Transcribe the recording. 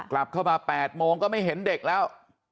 กลับเข้ามา๘โมงก็ไม่เห็นเด็กแล้ว